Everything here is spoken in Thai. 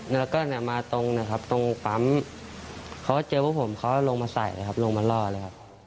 แล้วก็เนี่ยมาตรงตรงปั๊มเขาเจอพี่ผมเขาก็ลงมาใส่ลงมาล่อเลยครับ